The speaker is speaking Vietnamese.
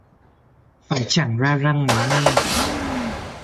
Phải chẳng ra răng nói nghe!